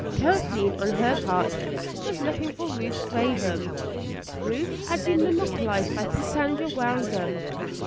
Kathleen, on her part, was looking for Ruth Craven. Ruth had been monopolised by Cassandra Weldon.